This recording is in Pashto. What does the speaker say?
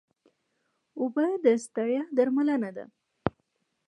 اوبه د ستړیا درملنه ده